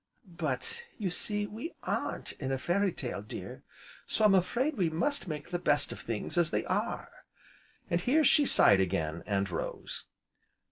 "But, you see, we aren't in a fairy tale, dear, so I'm afraid we must make the best of things as they are!" and here she sighed again, and rose.